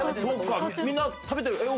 みんな食べてる？